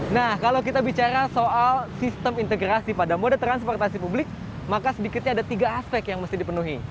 nah kalau kita bicara soal sistem integrasi pada mode transportasi publik maka sedikitnya ada tiga aspek yang mesti dipenuhi